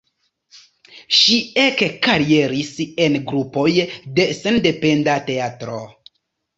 Ŝi ekkarieris en grupoj de sendependa teatro.